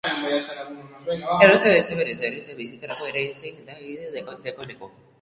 Egoitzan ezta biraorik ere ezin da egin dagoeneko!